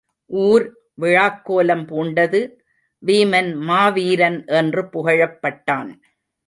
ஊர் விழாக் கோலம் பூண்டது.வீமன் மாவீரன் என்று புகழப்பட்டான்.